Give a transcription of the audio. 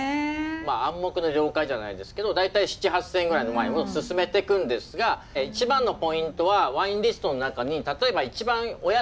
暗黙の了解じゃないですけど大体７，０００８，０００円ぐらいのワインを勧めてくるんですが一番のポイントはワインリストの中に例えば一番お安いワインその店の。